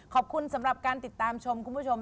ขอบคุณสำหรับการติดตามชมคุณผู้ชม